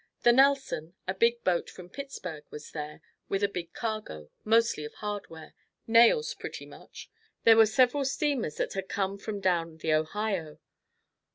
The Nelson, a big boat from Pittsburg was there with a big cargo, mostly of hardware nails pretty much. There were several steamers that had come from down the Ohio.